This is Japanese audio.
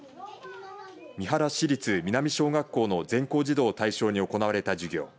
三原市立南小学校の全校児童を対象に行われた授業。